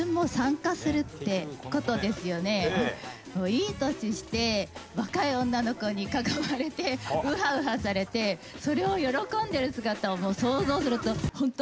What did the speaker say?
いい年して若い女の子に囲まれてウハウハされてそれを喜んでる姿をもう想像すると。